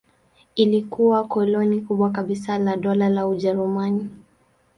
Ilikuwa koloni kubwa kabisa la Dola la Ujerumani.